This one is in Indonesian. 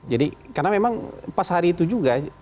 karena memang pas hari itu juga